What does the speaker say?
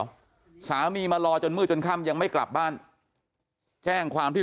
สามีมารอจนมืดจนค่ำยังไม่กลับบ้านแจ้งความที่